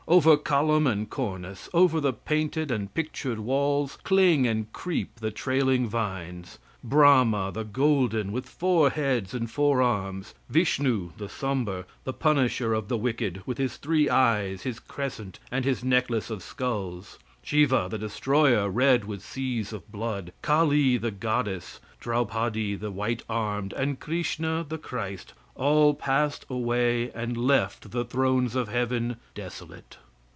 Over column and cornice; over the painted and pictured walls, cling and creep the trailing vines. Brahma, the golden, with four heads and four arms; Vishnu, the sombre, the punisher of the wicked, with his three eyes, his crescent, and his necklace of skulls; Siva, the destroyer, red with seas of blood; Kali, the goddess; Draupadi, the white armed, and Chrishna, the Christ, all passed away and left the thrones of heaven desolate.